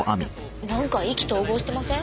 なんか意気投合してません？